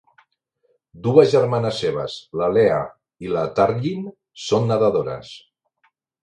Dues germanes seves, la Leah i la Taryin, són nedadores.